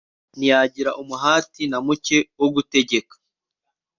ntiyagira umuhati na muke wo gutegeka